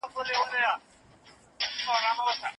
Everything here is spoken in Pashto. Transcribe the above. نوي بدلونونه په ټولنه کي منل سوي دي.